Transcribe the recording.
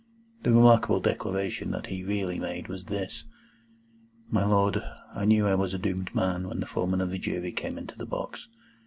The remarkable declaration that he really made was this: "My Lord, I knew I was a doomed man, when the Foreman of my Jury came into the box.